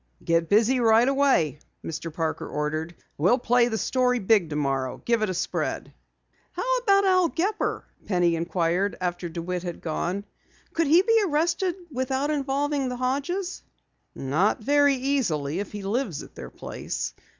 "Get busy right away," Mr. Parker ordered. "We'll play the story big tomorrow give it a spread." "How about Al Gepper?" Penny inquired after DeWitt had gone. "Could he be arrested without involving the Hodges?" "Not very easily if he lives at their place.